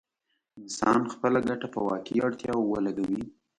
انسان خپله ګټه په واقعي اړتياوو ولګوي.